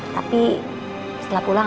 tapi setelah pulang